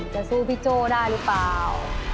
จะสู้พี่โจ้ได้หรือเปล่า